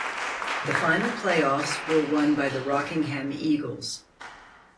The final playoffs were won by the Rockingham Eagles.